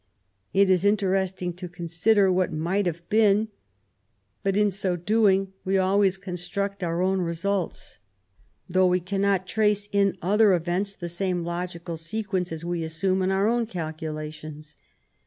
It is interest ing to consider what might have been; but, in so doing, we always construct our own results, though we cannot trace in other events the same logical sequence as we assume in our own calculations.